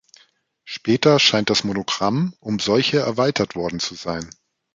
Später scheint das Monogramm um solche erweitert worden zu sein.